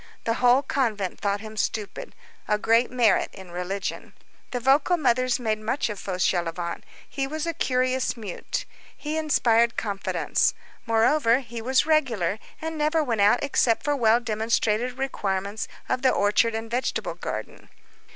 The whole convent thought him stupid. A great merit in religion. The vocal mothers made much of Fauchelevent. He was a curious mute. He inspired confidence. Moreover, he was regular, and never went out except for well demonstrated requirements of the orchard and vegetable garden.